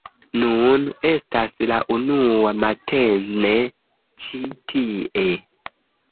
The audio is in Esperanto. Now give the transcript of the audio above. Nun estas la unua matene ĉi tie